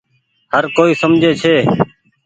هر ڪوئي سمجهي ڇي۔